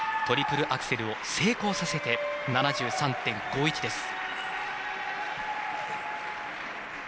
トリプルアクセルを成功させて７３．５１です。